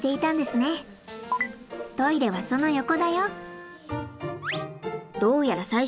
トイレはその横だよ。